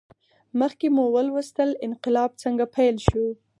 مخکې مو ولوستل انقلاب څنګه پیل شو.